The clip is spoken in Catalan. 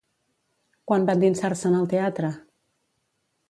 Quan va endinsar-se en el teatre?